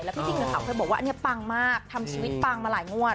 พี่จิ้งกับเขาเคยบอกว่าอันนี้ปังมากทำชีวิตปังมาหลายงวด